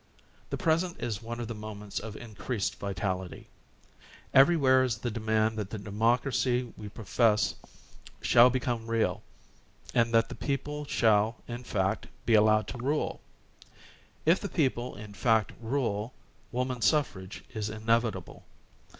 The present is one of the moments of increased vitality. Everywhere is the demand that the democracy we profess shall become real, and that the people shall, in fact, be allowed to rule. If the people, in fact, rule, woman suffrage is inevitable.